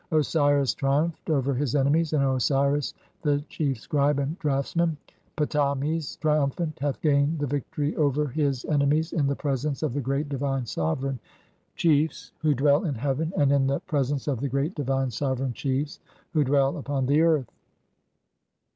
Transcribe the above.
Osiris (21) triumphed "over his enemies, and Osiris, the chief scribe and draughtsman, "Ptah mes, triumphant, hath gained the victory (22) over his "enemies in the presence of the great divine sovereign chiefs "who dwell in heaven, and in the presence of the great divine "sovereign chiefs who dwell upon the earth."